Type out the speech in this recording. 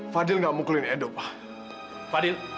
fadil nggak mau pukulin edo pak